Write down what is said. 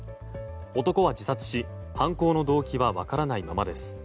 男は自殺し、犯行の動機は分からないままです。